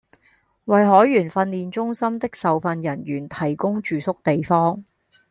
為海員訓練中心的受訓人員提供住宿地方